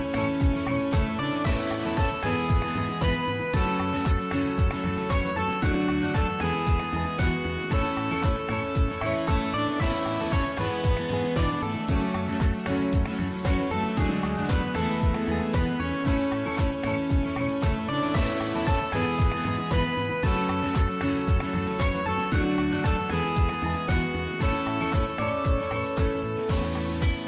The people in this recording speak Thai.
โปรดติดตามตอนต่อไป